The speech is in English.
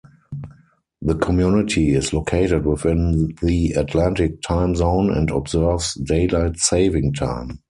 The community is located within the Atlantic Time Zone and observes Daylight Saving Time.